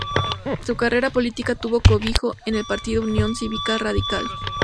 Su carrera política tuvo cobijo en el partido Unión Cívica Radical.